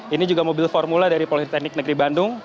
ini juga mobil formula dari politeknik negeri bandung